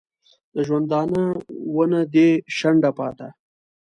د ژوندانه ونه دي شنډه پاته